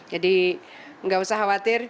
jadi enggak usah khawatir